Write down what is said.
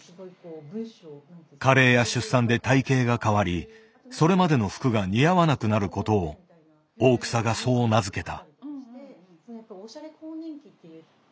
加齢や出産で体形が変わりそれまでの服が似合わなくなることを大草がそう名付けた。